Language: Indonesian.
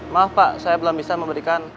maaf pak saya belum bisa memberikan